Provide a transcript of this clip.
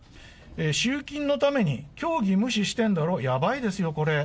集金のために教義無視してんだろ、やばいですよこれ。